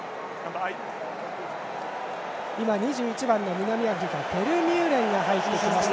今、２１番の南アフリカフェルミューレンが入ってきました。